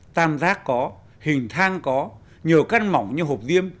tam giác có hình thang có nhiều căn mỏng như hộp diêm